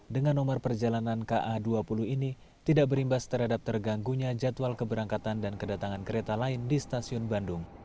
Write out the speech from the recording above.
dengan nomor perjalanan ka dua puluh ini tidak berimbas terhadap terganggunya jadwal keberangkatan dan kedatangan kereta lain di stasiun bandung